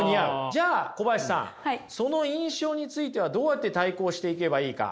じゃあ小林さんその印象についてはどうやって対抗していけばいいか。